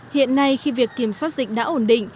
hiện nay khi việc kiểm soát dịch đã ổn định